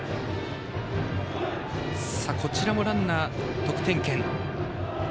こちらもランナー、得点圏。